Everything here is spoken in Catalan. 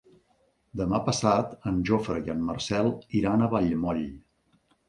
Demà passat en Jofre i en Marcel iran a Vallmoll.